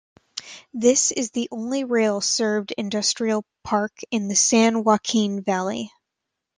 This is the only rail served industrial park in the San Joaquin Valley.